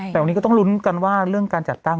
แต่วันนี้ก็ต้องลุ้นกันว่าเรื่องการจัดตั้ง